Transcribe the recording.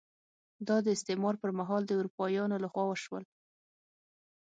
دا د استعمار پر مهال د اروپایانو لخوا وشول.